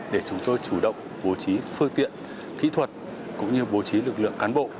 để chúng tôi chủ động bố trí phương tiện kỹ thuật cũng như bố trí lực lượng cán bộ